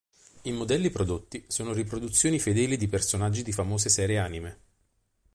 I modelli prodotti sono riproduzioni fedeli di personaggi di famose serie Anime.